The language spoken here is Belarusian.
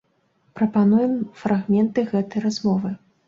Прапануем фрагменты гэтай размовы.